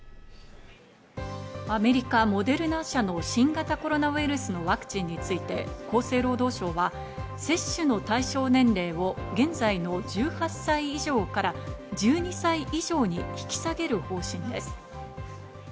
アメリカ、モデルナ社の新型コロナウイルスのワクチンについて厚生労働省は接種の対象年齢を現在の１８歳以上から１２歳以上に引き下げる方針です。